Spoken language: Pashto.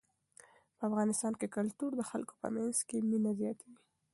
په افغانستان کې کلتور د خلکو په منځ کې مینه زیاتوي.